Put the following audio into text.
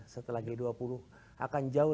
setelah g dua puluh akan jauh